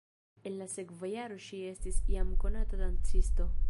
En la sekva jaro ŝi estis jam konata dancisto.